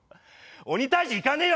鬼退治行かねえよ